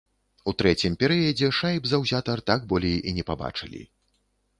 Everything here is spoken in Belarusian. У трэцім перыядзе шайб заўзятар так болей і не пабачылі.